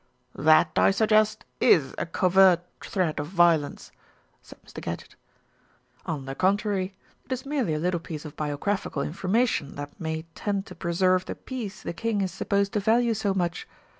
"That, I suggest, is a covert threat of violence," said Mr. Gadgett. "On the contrary, it is merely a little piece of bio graphical information that may tend to preserve the peace the King is supposed to value so much.